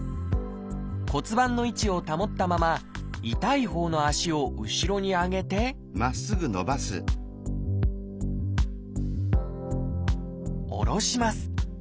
骨盤の位置を保ったまま痛いほうの足を後ろに上げて下ろします。